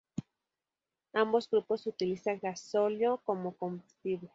Ambos grupos utilizan gasóleo como combustible.